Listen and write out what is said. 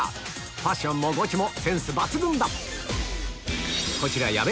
ファッションもゴチもセンス抜群だこちら矢部